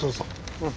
うん。